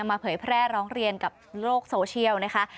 เผยแพร่ร้องเรียนกับโลกโซเชียลนะคะ